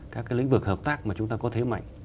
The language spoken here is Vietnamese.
các cái lĩnh vực hợp tác mà chúng ta có thế mạnh